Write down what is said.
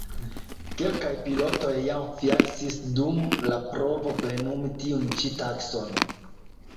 Kelkaj pilotoj jam fiaskis dum la provo plenumi tiun ĉi taskon.